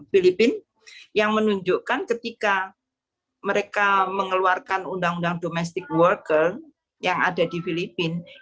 filipina yang menunjukkan ketika mereka mengeluarkan undang undang domestic worker yang ada di filipina